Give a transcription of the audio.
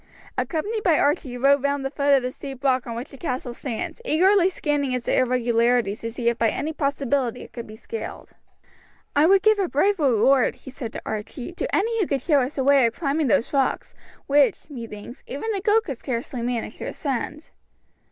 Accompanied by Archie he rode round the foot of the steep rock on which the castle stands, eagerly scanning its irregularities to see if by any possibility it could be scaled. "I would give a brave reward," he said to Archie, "to any who could show us a way of climbing those rocks, which, methinks, even a goat could scarcely manage to ascend."